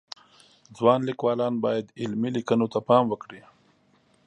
ځوان لیکوالان باید علمی لیکنو ته پام وکړي